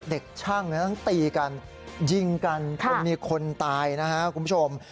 เด็กช่างทั้งตีกันยิงกันจนมีคนตายนะครับคุณผู้ชม